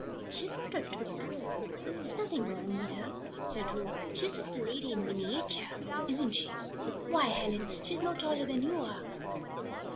"She's not a dwarf. There's nothing wrong with her," said Ruth. "She's just a lady in miniature; isn't she? Why, Helen, she's no taller than you are."